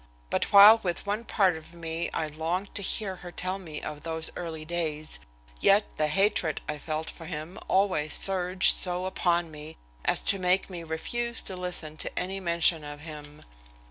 But while with one part of me I longed to hear her tell me of those early days, yet the hatred I felt for him always surged so upon me as to make me refuse to listen to any mention of him.